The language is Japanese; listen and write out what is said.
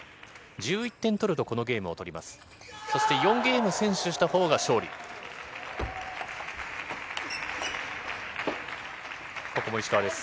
１１点取るとこのゲームを取ります。